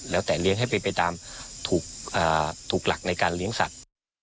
แล้วแต่เลี้ยงให้เป็นไปตามถูกหลักในการเลี้ยงสัตว์